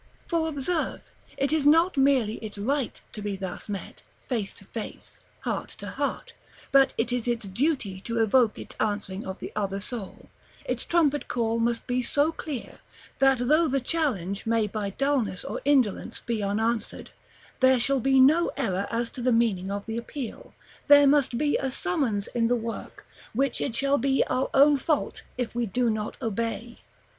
For observe, it is not merely its right to be thus met, face to face, heart to heart; but it is its duty to evoke its answering of the other soul; its trumpet call must be so clear, that though the challenge may by dulness or indolence be unanswered, there shall be no error as to the meaning of the appeal; there must be a summons in the work, which it shall be our own fault if we do not obey.